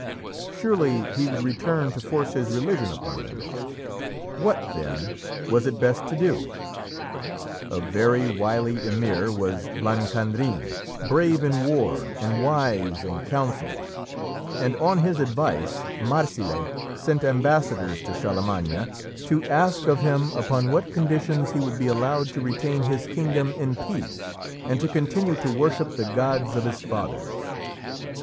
Surely he would return to force his religion upon them. What, then, was it best to do? A very wily emir was Blancandrin, brave in war, and wise in counsel, and on his advice Marsile sent ambassadors to Charlemagne to ask of him upon what conditions he would be allowed to retain his kingdom in peace and to continue to worship the gods of his fathers.